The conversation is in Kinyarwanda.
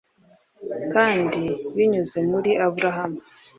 kandi binyuze muri Aburahamu